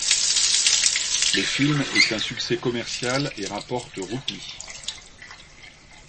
Le film est un succès commerciales et rapporte roupies.